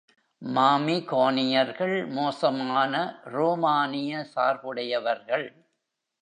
மாமிகோனியர்கள் மோசமான ரோமானிய சார்புடையவர்கள்.